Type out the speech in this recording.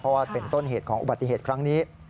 เพราะว่าเป็นต้นเหตุของอุบัติเหตุครั้งนี้